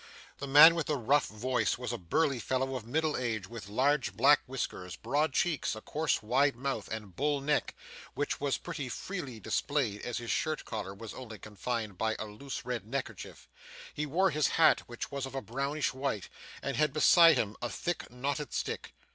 The man with the rough voice was a burly fellow of middle age, with large black whiskers, broad cheeks, a coarse wide mouth, and bull neck, which was pretty freely displayed as his shirt collar was only confined by a loose red neckerchief. He wore his hat, which was of a brownish white, and had beside him a thick knotted stick.